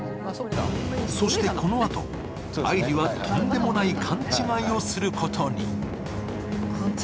そして、このあと愛梨はとんでもない勘違いをすることに。